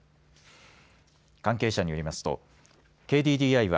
関係者によりますとＫＤＤＩは